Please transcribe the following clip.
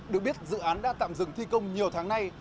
được biết dự án đã tạm dừng thi công nhiều tháng nay